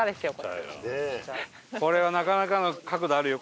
これはなかなかの角度あるよ